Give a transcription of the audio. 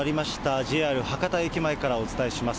ＪＲ博多駅前からお伝えします。